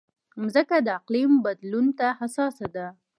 مځکه د اقلیم بدلون ته حساسه ده.